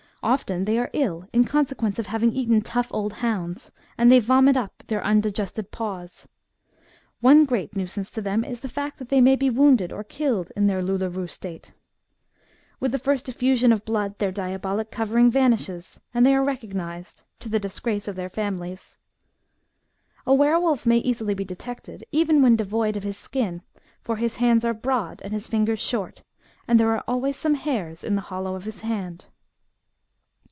Often they are ill in consequence of having eaten tough old hounds, and they vomit up their undigested paws. One great nuisance to them is the fact that they may be wounded or killed in their louleerou state. With the FOLK LORE RELATING TO WERE WOLVES. 107 first eflfdsion of blood their diabolic covering vanishes, and they are recognized, to the disgrace of their families. A were wolf may easily be detected, even when devoid of his skin ; for his hands are broad, and his fingers short, and there are always some hairs in the hollow of his hand.